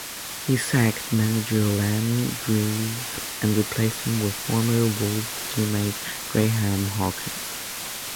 He sacked manager Ian Greaves and replaced him with former Wolves teammate Graham Hawkins.